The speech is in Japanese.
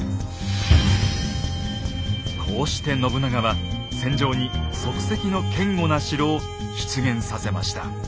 こうして信長は戦場に即席の堅固な城を出現させました。